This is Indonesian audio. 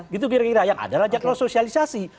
gitu kira kira yang adalah jadwal sosialisasi